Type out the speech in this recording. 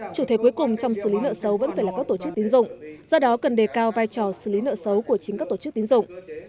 chủ thể cuối cùng trong xử lý nợ xấu vẫn phải là các tổ chức tín dụng do đó cần đề cao vai trò xử lý nợ xấu của chính các tổ chức tín dụng